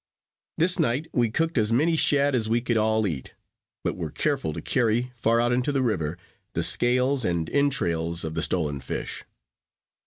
This night we cooked as many shad as we could all eat; but were careful to carry, far out into the river, the scales and entrails of the stolen fish.